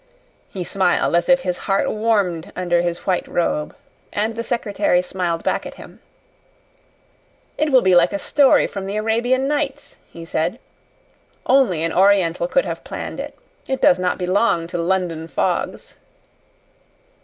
He smiled as if his heart warmed under his white robe, and the secretary smiled back at him. "It will be like a story from the Arabian Nights," he said. "Only an Oriental could have planned it. It does not belong to London fogs."